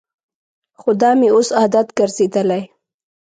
خو دا مې اوس عادت ګرځېدلی.